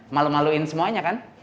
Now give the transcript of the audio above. malu maluin semuanya kan